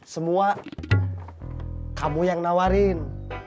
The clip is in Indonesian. semua kamu yang nawarin